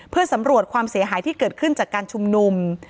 เพื่อสำรวจความเสียหายที่เกิดขึ้นจากการชุมนุม